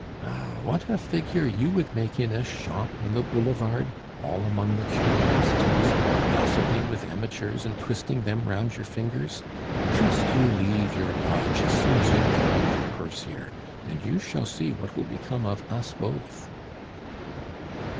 Ah, what a figure you would make in a shop on the boulevard, all among the curiosities, gossiping with amateurs and twisting them round your fingers! Just you leave your lodge as soon as you have lined your purse here, and you shall see what will become of us both."